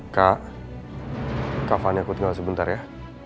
kak kafan ditinggal sebentar ya